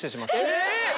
えっ